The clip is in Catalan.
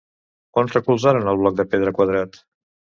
On recolzaren el bloc de pedra quadrat?